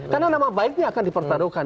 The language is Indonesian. karena nama baiknya akan dipertaruhkan